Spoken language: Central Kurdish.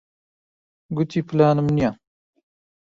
گوتی پلانم نییە.